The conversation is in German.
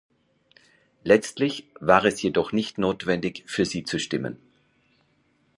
Letztlich war es jedoch nicht notwendig, für sie zu stimmen.